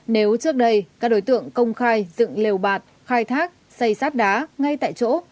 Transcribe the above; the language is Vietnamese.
nếu trước đây các đối tượng công khai dựng lều bạt khai thác xây sát đá ngay tại chỗ